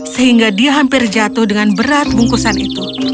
sehingga dia hampir jatuh dengan berat bungkusan itu